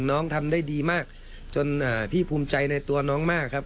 ทำได้ดีมากจนพี่ภูมิใจในตัวน้องมากครับ